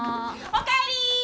おかえり。